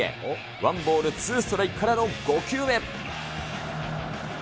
ワンボールツーストライクからの５球目。